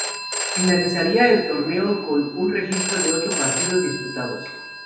Finalizaría el torneo con un registro de ocho partidos disputados.